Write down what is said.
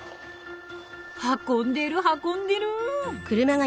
運んでる運んでる。